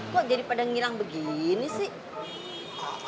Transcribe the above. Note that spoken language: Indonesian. kok daddy pada ngilang begini sih